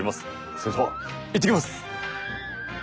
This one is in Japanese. それでは行ってきます。